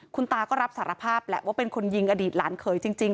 คุณตาก็รับสารภาพแหละว่าเป็นคนยิงอดีตหลานเขยจริง